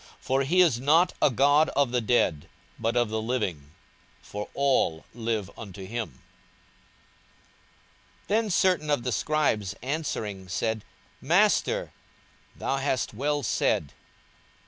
42:020:038 For he is not a God of the dead, but of the living: for all live unto him. 42:020:039 Then certain of the scribes answering said, Master, thou hast well said.